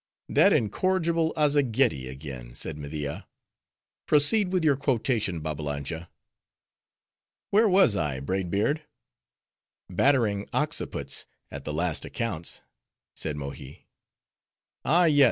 "That incorrigible Azzageddi again," said Media, "Proceed with your quotation, Babbalanja." "Where was I, Braid Beard?" "Battering occiputs at the last accounts," said Mohi.